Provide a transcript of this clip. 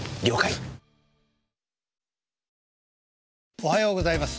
おはようございます。